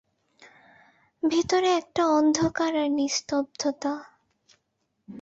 ভিতরে একটা অন্ধকার আর নিস্তব্ধতা।